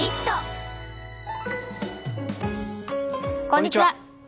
こんにちは。